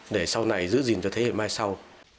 để sau này giữ gìn cho thế hệ mai sau